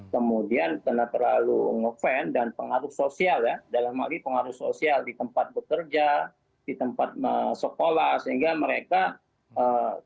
kemudian karena terlalu ngefans dan pengaruh sosial ya dalam maksudnya pengaruh sosial di tempat bekerja di tempat sekolah sehingga mereka termotivasi untuk bersama sama nonton band nya